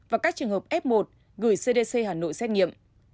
và các trường hợp f một gửi cdc hà nội xét nghiệm